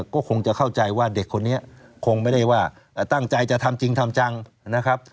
ก็คงจะเข้าใจว่าเด็กคนนี้คงไม่ได้ว่าตั้งใจจะทำจริงทำจังนะครับ